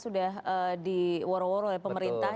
sudah diworo woro oleh pemerintah